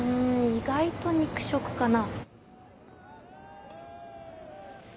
意外と肉食かな？